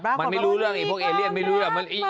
มันไม่รู้เรื่องนี้พวกเอเลียนไม่รู้เรื่องว่า